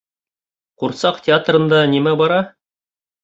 Ҡурсаҡ театрында нимә бара?